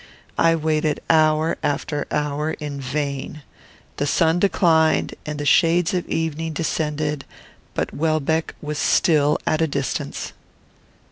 I waited hour after hour in vain. The sun declined, and the shades of evening descended; but Welbeck was still at a distance.